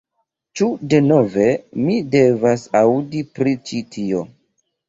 "Ĉu denove, mi devas aŭdi pri ĉi tio"